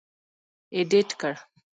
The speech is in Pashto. اېډېټ کړ.